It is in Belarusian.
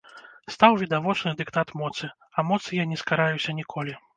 Стаў відавочны дыктат моцы, а моцы я не скараюся ніколі.